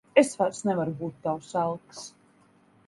Es vairs nevaru būt tavs elks.